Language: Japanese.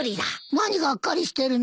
何がっかりしてるのよ。